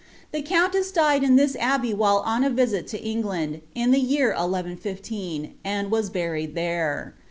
The countess died in this abbey while on a visit to England, in the year 1115, and was buried there.